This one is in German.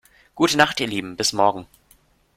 Gute Nacht ihr Lieben, bis morgen.